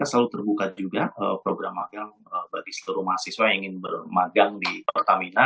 ya kan selalu terbuka juga program magang bagi seluruh mahasiswa yang ingin magang di pertamina